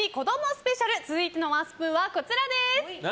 スペシャル続いてのワンスプーンはこちら。